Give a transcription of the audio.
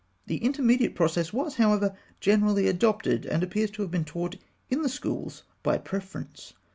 The intermediate process was, however, generally adopted, and appears to have been taught in the schools by preference.